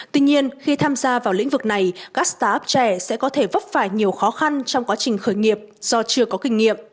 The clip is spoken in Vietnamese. tuy nhiên khi tham gia vào lĩnh vực này các start up trẻ sẽ có thể vấp phải nhiều khó khăn trong quá trình khởi nghiệp do chưa có kinh nghiệm